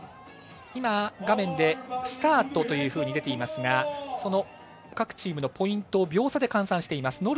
画面でスターとというふうに出ていますがその各チームのポイントを秒差で換算しています。